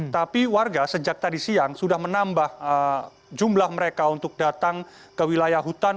tapi warga sejak tadi siang sudah menambah jumlah mereka untuk datang ke wilayah hutan